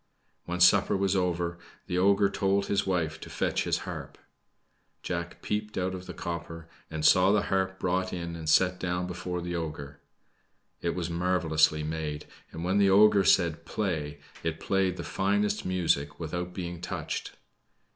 When supper was over, the ogre told his wife to fetch his harp. Jack peeped out of the copper and saw the harp brought in and set down before the ogre. It was marvelously made; and when the ogre said "Play!" it played the finest music without being touched.